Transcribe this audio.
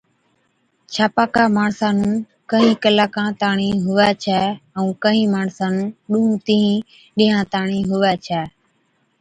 ڇاپاڪا ماڻسا نُون ڪهِين ڪِلاڪان تاڻِين هُوَي ڇَي، ائُون ڪهِين ماڻسا نُون ڏُونه تِينهِين ڏِينهان تاڻِين هُوَي ڇَي،